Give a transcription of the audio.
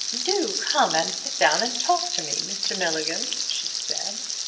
"Do come and sit down and talk to me, Mr. Milligan," she said.